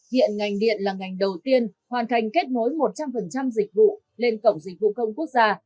hiện ngành điện là ngành đầu tiên hoàn thành kết nối một trăm linh dịch vụ lên cổng dịch vụ công quốc gia